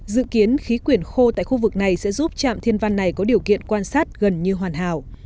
dự kiến khí quyển khô tại khu vực này sẽ giúp trạm thiên văn này có điều kiện quan sát gần như hoàn hảo